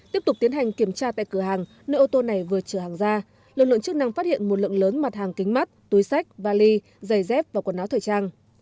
tiếp tục tiến hành kiểm tra tại cửa hàng nơi ô tô này vừa chở hàng ra lực lượng chức năng phát hiện một lượng lớn mặt hàng kính mắt túi sách vali giày dép và quần áo thời trang